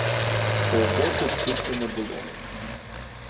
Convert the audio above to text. Кого тут тільки не було!